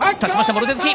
もろ手突き。